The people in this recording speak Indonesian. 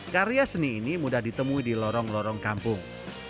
karya seni ini mudah ditemui di lorong lorong kampung